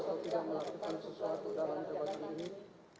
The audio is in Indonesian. untuk melakukan sesuatu dalam jabatan ini